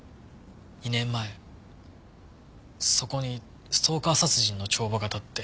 ２年前そこにストーカー殺人の帳場が立って。